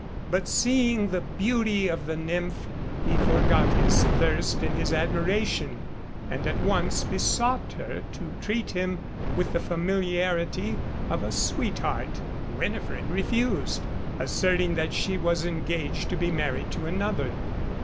But seeing the beauty of the nymph he forgot his thirst in his admiration, and at once besought her to treat him with the familiarity of a sweetheart. Winifred refused, asserting that she was engaged to be married to another.